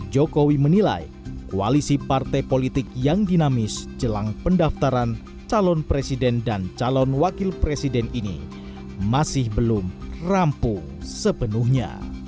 jokowi menilai koalisi partai politik yang dinamis jelang pendaftaran calon presiden dan calon wakil presiden ini masih belum rampu sepenuhnya